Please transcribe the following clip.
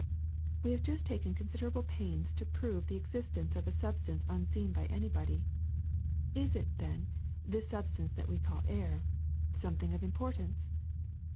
^^We have just taken considerable pains to prove the existence of a substance unseen by anybody. Is it, then — this substance that we call air — something of importance?